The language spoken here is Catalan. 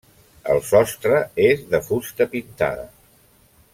El sostre és de fusta pintada.